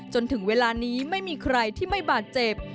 จนถึงเวลานี้ไม่มีใครที่ไม่บาดเจ็บ